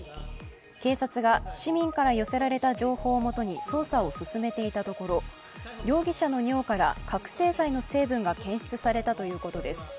警察が市民から寄せられた情報をもとに捜査を進めていたところ、容疑者の尿から覚醒剤の成分が検出されたということです。